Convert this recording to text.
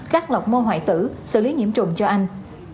các lọc mô hoại tử xử lý nhiễm trùng cho anh